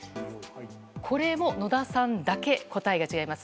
これも野田さんだけ答えが違います。